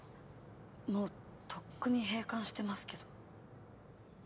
もうとっくに閉館してますけど。